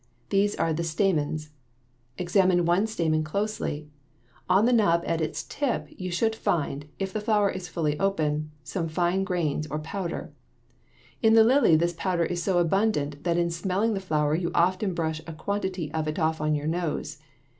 These are the stamens. Examine one stamen closely (Fig. 33). On the knob at its tip you should find, if the flower is fully open, some fine grains, or powder. In the lily this powder is so abundant that in smelling the flower you often brush a quantity of it off on your nose.